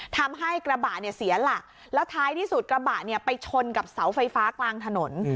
ทำให้กระบะเนี่ยเสียหลักแล้วท้ายที่สุดกระบะเนี่ยไปชนกับเสาไฟฟ้ากลางถนน